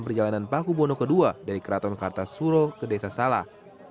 perjalanan paku bono ii dari keraton kartasuro ke desa salah